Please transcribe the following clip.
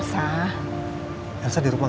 saya harus buktikan